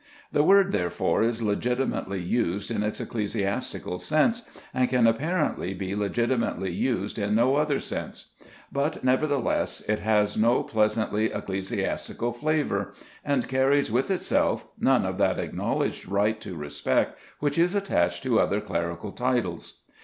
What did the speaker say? The word, therefore, is legitimately used in its ecclesiastical sense, and can apparently be legitimately used in no other sense; but, nevertheless, it has no pleasantly ecclesiastical flavour, and carries with itself none of that acknowledged right to respect which is attached to other clerical titles.